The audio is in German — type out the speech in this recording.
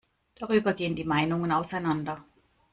Darüber gehen die Meinungen auseinander.